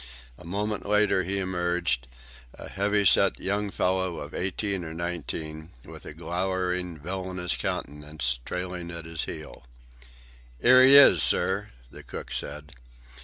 A moment later he emerged, a heavy set young fellow of eighteen or nineteen, with a glowering, villainous countenance, trailing at his heels. "'Ere 'e is, sir," the cook said.